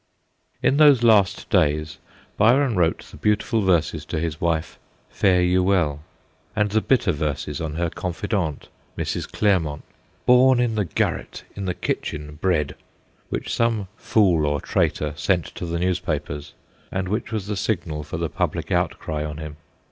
In those last days Byron wrote the beautiful verses to his wife, * Fare you well/ and the bitter verses on her confidante, Mrs. Clermont, ' Born in the garret, in the kitchen bred' which some fool or traitor sent to the newspapers, and which was the signal for the public outcry on him.